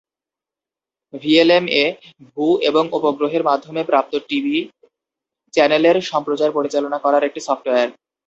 ভিএলএম-এ ভু এবং উপগ্রহের মাধ্যমে প্রাপ্ত টিভি চ্যানেলের সম্প্রচার পরিচালনা করার একটি সফটওয়্যার।